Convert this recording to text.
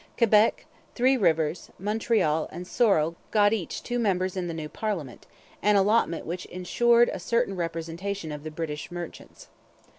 Quebec, Three Rivers, Montreal, and Sorel got each two members in the new parliament, an allotment which ensured a certain representation of the 'British' merchants.